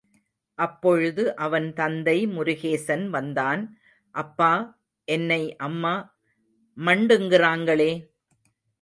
அப்பொழுது அவன் தந்தை முருகேசன் வந்தான், அப்பா, என்னை அம்மா மண்டுங்கறாங்களே?